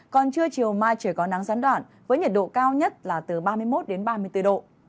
còn trưa chiều mai trời có nắng gián đoạn với nhiệt độ cao nhất là từ ba mươi một đến ba mươi bốn độ